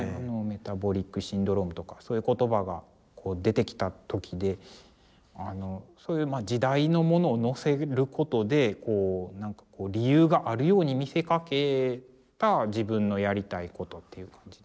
メタボリックシンドロームとかそういう言葉が出てきた時でそういうまあ時代のものをのせることでこうなんか理由があるように見せかけた自分のやりたいことっていう感じでした。